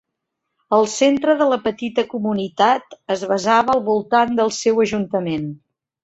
El centre de la petita comunitat es basava al voltant del seu ajuntament.